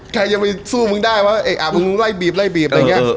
ใครจะไปสู้มึงได้เพราะว่าเอ้ะมึงไหล่บีบ